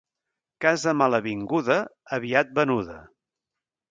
Casa malavinguda, aviat venuda.